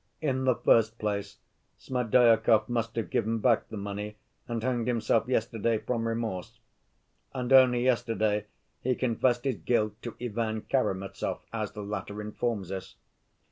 In the first place, Smerdyakov must have given back the money and hanged himself yesterday from remorse. And only yesterday he confessed his guilt to Ivan Karamazov, as the latter informs us.